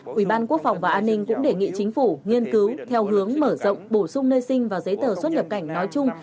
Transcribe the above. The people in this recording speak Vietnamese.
quỹ ban quốc phòng và an ninh cũng đề nghị chính phủ nghiên cứu theo hướng mở rộng bổ sung nơi sinh và giấy tờ xuất nhập cảnh nói chung